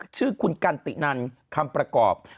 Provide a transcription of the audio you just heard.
ชื่อคุณกันตินันคำประกอบ